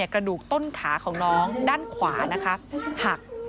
กระดูกต้นขาของน้องด้านขวานะคะหัก